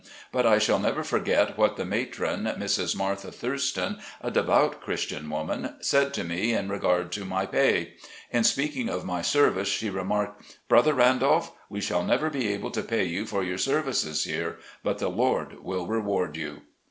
But I shall never forget what the matron, Mrs. Martha Thurston, a devout Christian woman, said to me in regard to my pay. In speaking of my service she remarked :" Brother Randolph, we shall never be able to pay you for your services here, but the Lord will reward you."